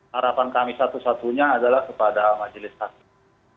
harapan kami satu satunya adalah kepada majelis hakim